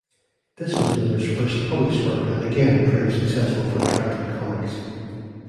This was Millar's first published work and again proved successful for Trident Comics.